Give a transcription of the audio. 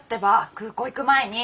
空港行く前に！